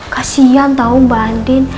kasian tau mbak andin